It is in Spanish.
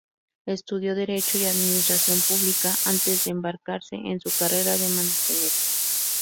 Estudió Derecho y administración pública antes de embarcarse en su carrera de management.